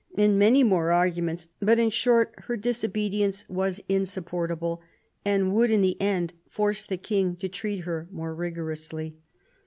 And many more arguments ; but in short, her disobedience was insupport able, and would in the end force the King to treat her more rigorously.